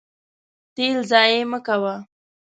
تیل ضایع مه کوه.